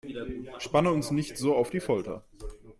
Spanne uns nicht so auf die Folter